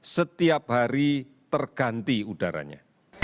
setiap hari terganti udaranya